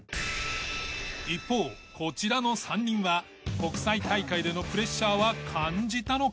一方こちらの３人は国際大会でのプレッシャーは感じたのか？